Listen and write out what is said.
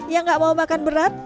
yang gak mau makan berat